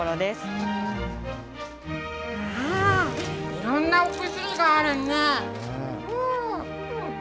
いろんなお薬があるね。